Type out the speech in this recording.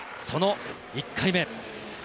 その１回目。